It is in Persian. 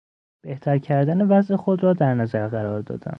بهتر کردن وضع خود را در نظر قرار دادن